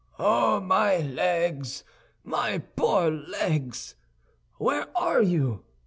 "Oh, my legs, my poor legs! where are you?"